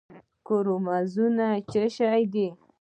کروموزوم څه شی دی